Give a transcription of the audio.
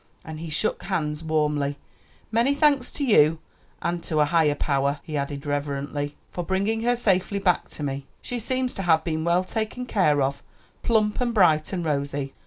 And he shook hands warmly. "Many thanks to you (and to a higher power)," he added reverently, "for bringing her safely back to me. She seems to have been well taken care of; plump and bright and rosy."